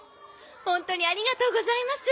ホントにありがとうございます！